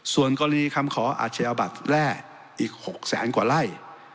ส่วนกรณีคำขออาชาบัติแรกอีก๖๐๐๐๐๐กว่าไล่